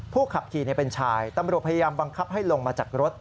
ขับขี่เป็นชายตำรวจพยายามบังคับให้ลงมาจากรถ